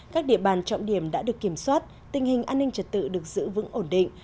các địa bàn trọng điểm đã được kiểm soát tình hình an ninh trật tự được giữ vững ổn định